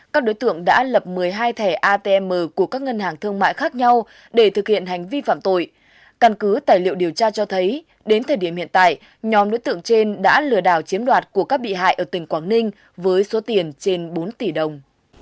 các đối tượng đã lập một mươi hai thẻ atm của các ngân hàng thương mại khác nhau để thực hiện hành vi phạm tội căn cứ tài liệu điều tra cho thấy đến thời điểm hiện tại nhóm đối tượng trên đã lừa đảo chiếm đoạt của các bị hại ở tỉnh quảng ninh với số tiền trên bốn tỷ đồng